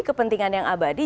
kepentingan yang abadi